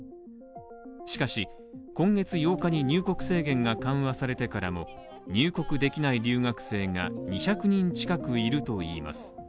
しかし、今月８日に入国制限が緩和されてからも、入国できない留学生が２００人近くいるといいます。